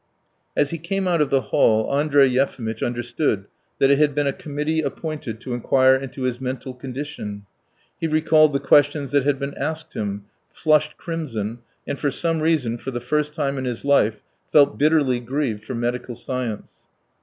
As he came out of the hall, Andrey Yefimitch understood that it had been a committee appointed to enquire into his mental condition. He recalled the questions that had been asked him, flushed crimson, and for some reason, for the first time in his life, felt bitterly grieved for medical science.